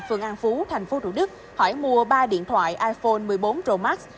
phường an phú tp thủ đức hỏi mua ba điện thoại iphone một mươi bốn romax